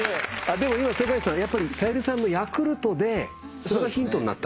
でも今世界さんやっぱりさゆりさんのヤクルトでそれがヒントになった？